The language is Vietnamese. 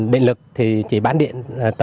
điện lực thì chỉ bán điện